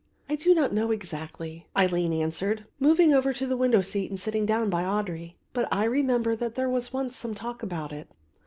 "I do not know exactly," Aline answered, moving over to the window seat and sitting down by Audry, "but I remember there was once some talk about it.